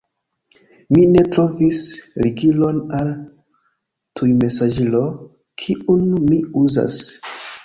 Mi ne trovis ligilon al tujmesaĝilo, kiun mi uzas.